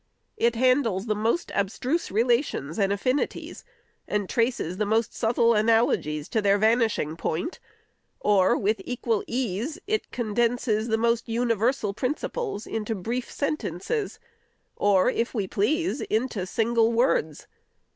It handles the most abstruse relations and affinities, and traces the most sub tile analogies to their vanishing point; or, with equal ease, it condenses the most universal principles into brief sentences, or, if we please, into single words.